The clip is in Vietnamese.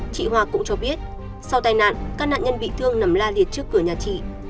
chị hoa cũng cho biết sau tai nạn các nạn nhân bị thương nằm la liệt trước cửa nhà chị